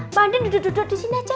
mbak andien duduk duduk disini aja